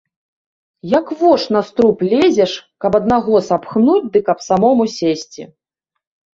Як вош на струп лезеш, каб аднаго сапхнуць ды каб самому сесці.